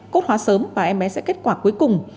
cốt hóa sớm và em bé sẽ kết quả cuối cùng